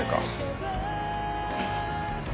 えっ？